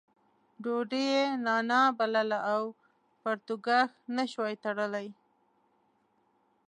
ډوډۍ یې نانا بلله او پرتوګاښ نه شوای تړلی.